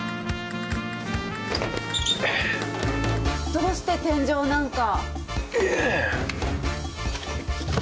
どうして天井なんか。